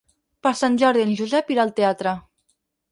Per Sant Jordi en Josep irà al teatre.